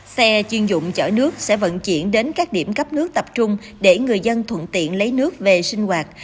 xe chuyên dụng chở nước sẽ vận chuyển đến các điểm cấp nước tập trung để người dân thuận tiện lấy nước về sinh hoạt